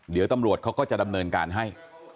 เดี๋ยวตำรวจเขาก็จะดำเนินการให้